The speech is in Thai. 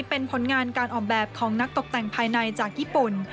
เป็นผลงานการออกแบบของนักตกแต่งภายในจากญี่ปุ่น